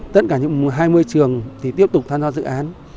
tất cả những hai mươi trường thì tiếp tục tham gia dự án